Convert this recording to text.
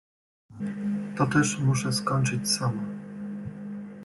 Toteż muszę skończyć sama.